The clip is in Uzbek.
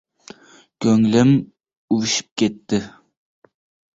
Ko‘nglim… uvishib ketdi.